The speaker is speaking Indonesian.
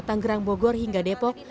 tanggerang bogor hingga depok